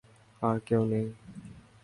আর কেউ নেই।